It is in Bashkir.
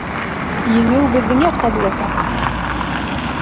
ЕҢЕҮ БЕҘҘЕҢ ЯҠТА БУЛАСАҠ!